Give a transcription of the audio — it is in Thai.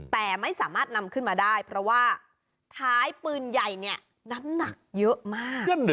แต่ไม่สามารถนำขึ้นมาได้เพราะว่าท้ายปืนใหญ่เนี่ยน้ำหนักเยอะมาก